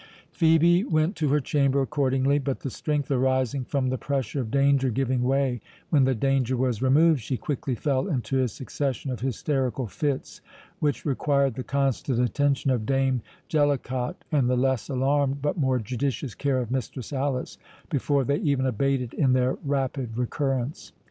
Phœbe went to her chamber accordingly; but the strength arising from the pressure of danger giving way when the danger was removed, she quickly fell into a succession of hysterical fits, which required the constant attention of Dame Jellicot, and the less alarmed, but more judicious care of Mistress Alice, before they even abated in their rapid recurrence.